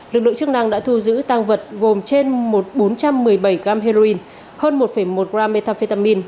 lực lượng chức năng đã thu giữ tăng vật gồm trên một bốn trăm một mươi bảy gram heroin hơn một một gram methamphetamine